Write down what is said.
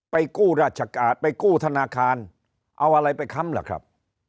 กู้ราชการไปกู้ธนาคารเอาอะไรไปค้ำล่ะครับ